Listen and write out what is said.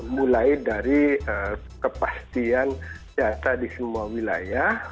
mulai dari kepastian data di semua wilayah